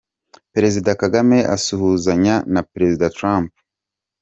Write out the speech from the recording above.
Perezida Kagame asuhuzanya na Perezida Trump.